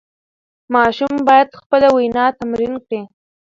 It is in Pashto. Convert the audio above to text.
ماشوم باید خپله وینا تمرین کړي.